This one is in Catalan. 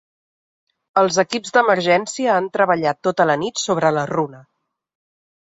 Els equips d’emergència han treballat tota la nit sobre la runa.